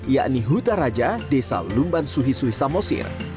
yakni hutaraja desa lumban suhi suhi samosir